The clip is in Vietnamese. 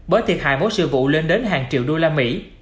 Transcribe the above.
bởi thiệt hại mỗi sự vụ lên đến hàng triệu đô la mỹ